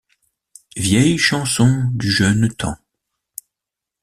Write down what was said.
Vieille chanson du jeune temps